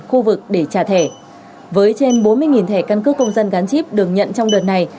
khu vực để trả thẻ với trên bốn mươi thẻ căn cước công dân gắn chip được nhận trong đợt này